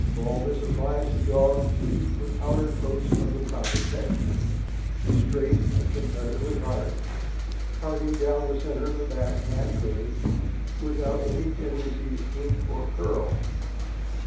All this applies to dogs with outer coats of the proper texture; straight and comparatively hard, parting down the center of the back naturally, without any tendency to kink or curl.